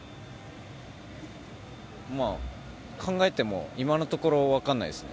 考えても今のところ分からないですね。